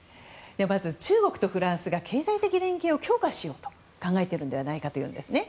まず中国とフランスが経済的連携を強化しようと考えているのではないかというんです。